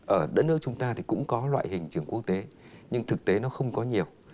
ở đất nước chúng ta thì cũng có loại hình trường quốc tế nhưng thực tế nó không có nhiều